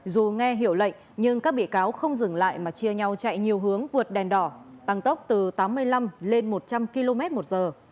dù nghe hiểu lệnh nhưng các bị cáo không dừng lại mà chia nhau chạy nhiều hướng vượt đèn đỏ tăng tốc từ tám mươi năm lên một trăm linh km một giờ